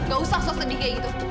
gak usah sedih kayak gitu